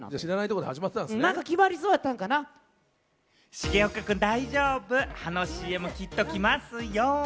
重岡くん、大丈夫、歯のＣＭきっと来ますよ。